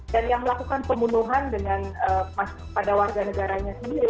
dan yang melakukan pembunuhan pada warga negaranya sendiri